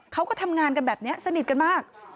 เขาก็ทำงานกันแบบนี้สนิทกันมาก